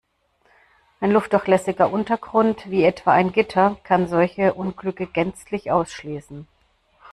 Ein luftdurchlässiger Untergrund, wie etwa ein Gitter, kann solche Unglücke gänzlich ausschließen.